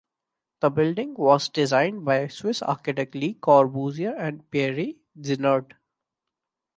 The building was designed by Swiss architects Le Corbusier and Pierre Jeanneret.